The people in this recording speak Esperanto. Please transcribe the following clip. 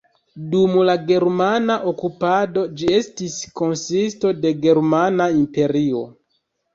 Dum la germana okupado ĝi estis konsisto de Germana imperio.